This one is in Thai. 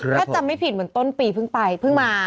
ถ้าจำไม่ผิดเหมือนต้นปีเพิ่งไปเพิ่งมา